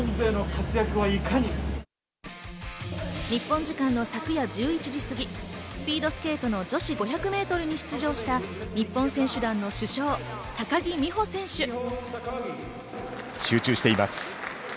日本時間の昨夜１１時過ぎ、スピードスケートの女子５００メートルに出場した日本選手団の主将・高木美帆選手。